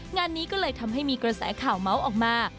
งานนี้ก็เลยทำให้มีกระแสข่าวพูดมา